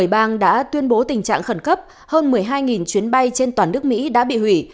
bang đã tuyên bố tình trạng khẩn cấp hơn một mươi hai chuyến bay trên toàn nước mỹ đã bị hủy